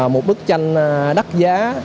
một bức tranh đắt giá